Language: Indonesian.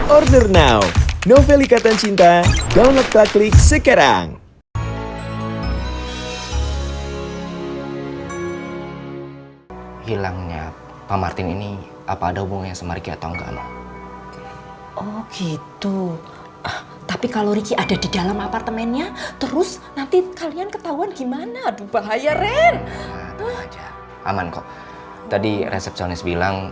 order now novelikatan cinta download plaklik sekarang